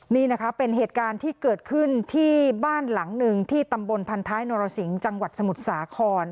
นี่นะคะเป็นเหตุการณ์ที่เกิดขึ้นที่บ้านหลังหนึ่งที่ตำบลพันท้ายนรสิงห์จังหวัดสมุทรสาคร